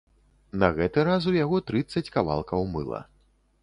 На гэты раз у яго трыццаць кавалкаў мыла.